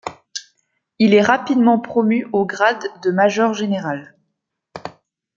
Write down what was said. Il est rapidement promu au grade de major-général.